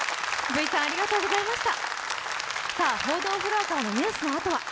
Ｖさんありがとうございました。